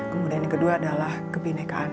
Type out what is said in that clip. kemudian yang kedua adalah kebinekaan